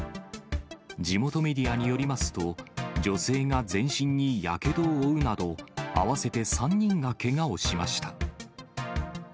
地元メディアによりますと、女性が全身にやけどを負うなど、合わせて３人がけがをしました。